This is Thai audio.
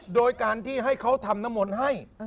โดยการที่ให้เขาทำน้ำมนต์ให้